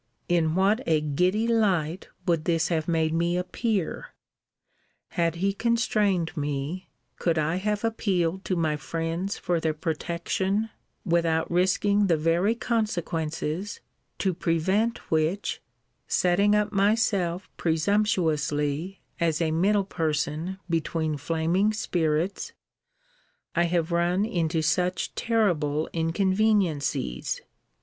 In what a giddy light would this have made me appear! Had he constrained me, could I have appealed to my friends for their protection, without risking the very consequences, to prevent which (setting up myself presumptuously, as a middle person between flaming spirits,) I have run into such terrible inconveniencies.